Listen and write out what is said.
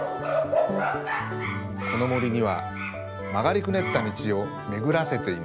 この森にはまがりくねったみちをめぐらせています。